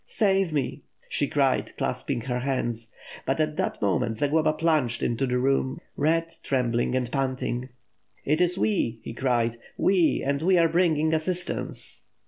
"Save me," she cried, clasping her hands. But at that moment Zagloba plunged into the room, red, trembling, and panting. "It is we," he cried, "we, and we are bringing assistance!"